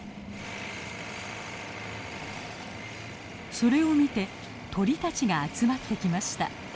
それを見て鳥たちが集まってきました。